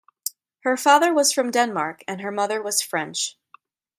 Her father was from Denmark and her mother was French.